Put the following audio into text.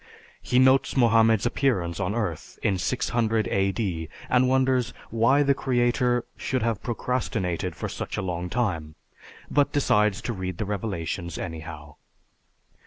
He notes Mohammed's appearance on earth in 600 A.D. and wonders why the Creator should have procrastinated for such a long time; but decides to read the revelations anyhow.